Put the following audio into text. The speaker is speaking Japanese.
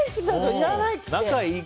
いらないって言って。